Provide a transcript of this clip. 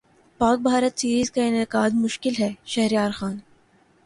پاک بھارت سیریزکا انعقادمشکل ہے شہریارخان